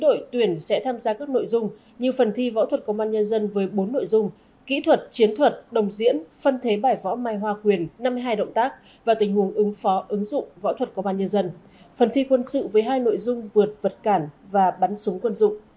đội tuyển sẽ tham gia các nội dung như phần thi võ thuật công an nhân dân với bốn nội dung kỹ thuật chiến thuật đồng diễn phân thế bài võ mai hoa quyền năm mươi hai động tác và tình huống ứng phó ứng dụng võ thuật công an nhân dân phần thi quân sự với hai nội dung vượt vật cản và bắn súng quân dụng